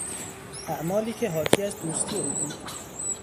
اعمالی که حاکی از دوستی او بود